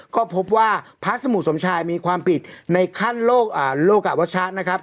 ก็พบว่าพระสมุสมชายมีความผิดในขั้นโลกอวัชชะนะครับ